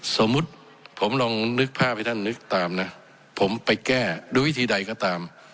สมมุติผมลองนึกภาพให้ท่านนึกตามนะผมไปแก้ด้วยวิธีใดก็ตาม